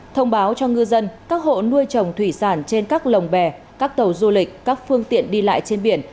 thông báo cho ngư dân các hộ nuôi trồng thủy sản trên các lồng bè các tàu du lịch các phương tiện đi lại trên biển